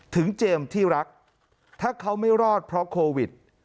เจมส์ที่รักถ้าเขาไม่รอดเพราะโควิด